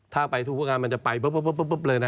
ถ้าไปทุกพวกงานมันจะไปปุ๊บเลยนะ